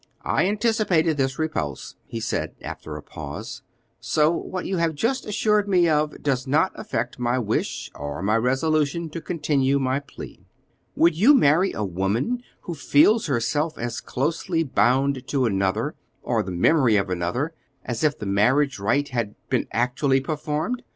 "I anticipated this repulse," he said after a pause; "so what you have just assured me of does not affect my wish or my resolution to continue my plea." "Would you marry a woman who feels herself as closely bound to another, or the memory of another, as if the marriage rite had been actually performed?